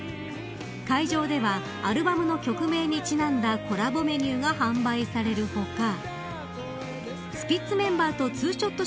会場ではアルバムの曲名にちなんだコラボメニューが販売される他スピッツメンバーとツーショット